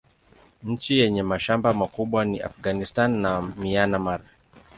Nchi yenye mashamba makubwa ni Afghanistan na Myanmar.